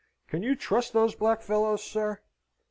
Can you trust those black fellows, sir?"